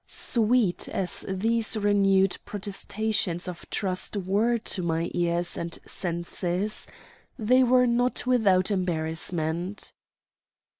Sweet as these renewed protestations of trust were to my ears and senses, they were not without embarrassment.